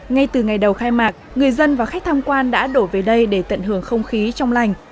ngay từ ngày đầu khai mạc người dân và khách tham quan đã đổ về đây để tận hưởng không khí trong lành